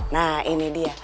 nah ini dia